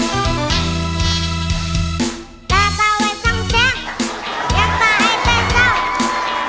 จากปราไปจางใดจากกินเต้นเอาไหม